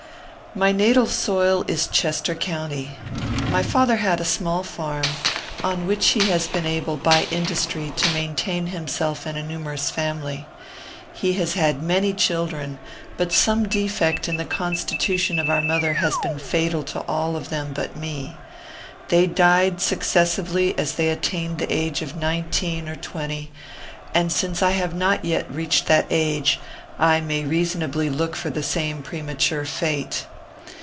My natal soil is Chester county. My father had a small farm, on which he has been able, by industry, to maintain himself and a numerous family. He has had many children, but some defect in the constitution of our mother has been fatal to all of them but me. They died successively as they attained the age of nineteen or twenty, and, since I have not yet reached that age, I may reasonably look for the same premature fate.